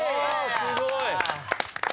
すごい。